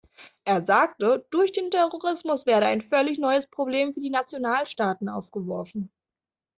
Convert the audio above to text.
Er sagte, durch den Terrorismus werde ein völlig neues Problem für die Nationalstaaten aufgeworfen.